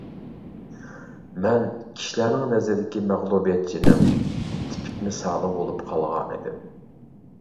مەن كىشىلەرنىڭ نەزىرىدىكى مەغلۇبىيەتچىنىڭ تىپىك مىسالى بولۇپ قالغانىدىم.